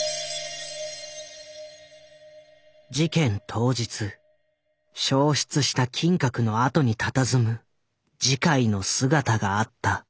事件当日焼失した金閣の跡にたたずむ慈海の姿があった。